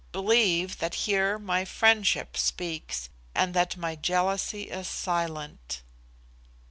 Believe that here my friendship speaks, and that my jealousy is silent."